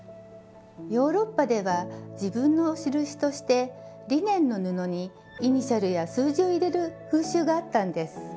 ヨーロッパでは自分の印としてリネンの布にイニシャルや数字を入れる風習があったんです。